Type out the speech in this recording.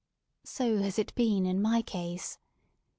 So has it been in my case.